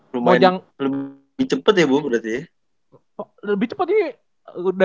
lumayan lebih cepat ya bu berarti ya